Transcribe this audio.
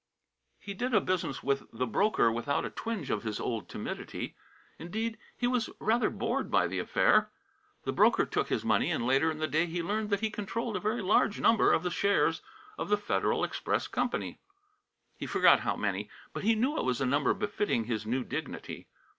He did his business with the broker without a twinge of his old timidity. Indeed, he was rather bored by the affair. The broker took his money and later in the day he learned that he controlled a very large number of the shares of the Federal Express Company. He forgot how many, but he knew it was a number befitting his new dignity.